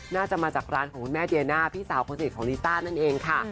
น่าจะมาจากร้านของคุณแม่เดียน่าพี่สาวคนสนิทของลิซ่านั่นเองค่ะ